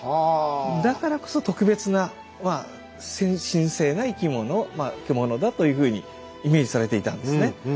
だからこそ特別な神聖な生き物獣だというふうにイメージされていたんですね。